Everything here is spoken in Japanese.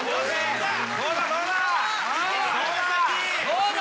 どうだ？